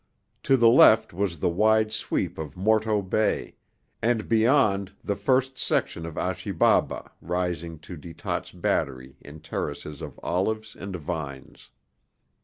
To the left was the wide sweep of Morto Bay, and beyond the first section of Achi Baba rising to De Tott's Battery in terraces of olives and vines.